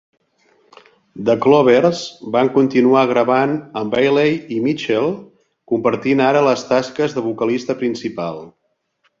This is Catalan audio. The Clovers van continuar gravant amb Bailey i Mitchell compartint ara les tasques de vocalista principal.